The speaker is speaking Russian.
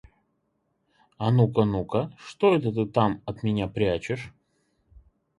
А ну-ка, ну-ка, что это ты там от меня прячешь?